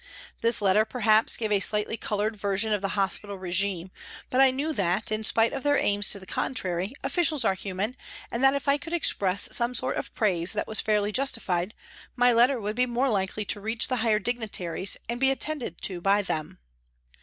This letter, perhaps, gave a slightly coloured version of the hospital regime, but I knew that, in spite of their aims to the contrary, officials are human, and that if I could express some sort of praise that was fairly justified, my letter would be more likely to reach the higher dignitaries and be attended to by them.